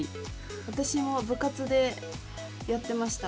私も部活でやってましたこれ。